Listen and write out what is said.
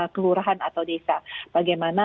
kelurahan atau desa bagaimana